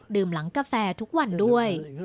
หลังกาแฟทุกวันด้วย